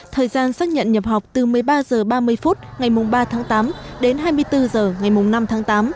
thời gian xác nhận nhập học từ một mươi ba h ba mươi phút ngày ba tháng tám đến hai mươi bốn h ngày năm tháng tám